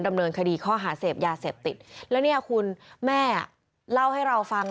ดำเนินคดีข้อหาเสพยาเสพติดแล้วเนี่ยคุณแม่เล่าให้เราฟัง